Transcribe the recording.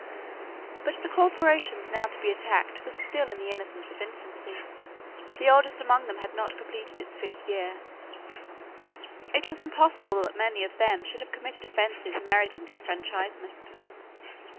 But the corporations now to be attacked were still in the innocence of infancy. The oldest among them had not completed its fifth year. It was impossible that many of them should have committed offences meriting disfranchisement.